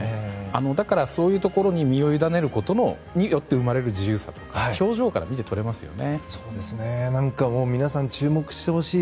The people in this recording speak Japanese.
だから、そういうところに身を委ねることによって生まれる自由さとか表情から見て取れますよね。